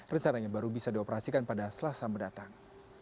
rencananya baru bisa dioperasikan pada selasa mendatang